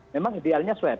memang idealnya swab